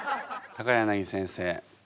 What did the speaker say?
柳先生